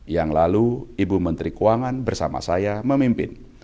yang lalu ibu menteri keuangan bersama saya memimpin